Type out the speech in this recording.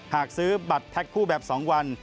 หากซื้อบัตรแท็กคู่แบบ๒วัน